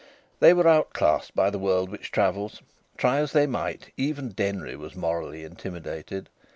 They were outclassed by the world which travels. Try as they might, even Denry was morally intimidated.